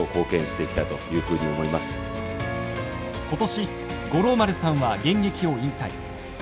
今年五郎丸さんは現役を引退。